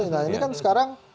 nah ini kan sekarang